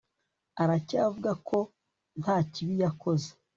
Aracyavuga ko nta kibi yakoze